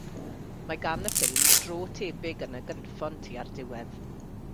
Mae gan y ffilm dro tebyg yn y gynffon tua'r diwedd.